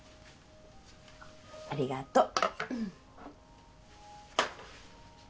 ありがとう。